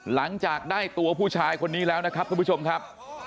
หลังจากได้ตัวผู้ชายคนนี้แล้วนะครับทุกผู้ชมครับ